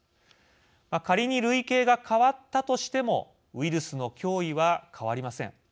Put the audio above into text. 仮に類型が変わったとしてもウイルスの脅威は変わりません。